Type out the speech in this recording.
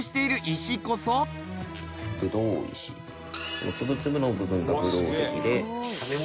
この粒々の部分がぶどう石で。